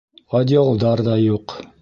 Одеялдар ҙа юҡ.